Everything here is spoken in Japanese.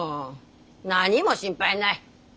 何も心配ない。